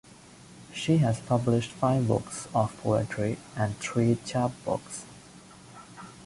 She has published five books of poetry and three chapbooks.